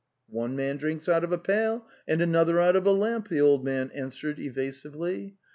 '"One man drinks out of a pail and another out of a lamp,' the old man answered evasively.